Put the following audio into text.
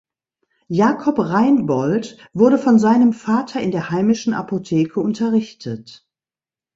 Jacob Reinbold wurde von seinem Vater in der heimischen Apotheke unterrichtet.